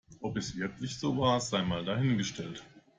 Ob es wirklich so war, sei mal dahingestellt.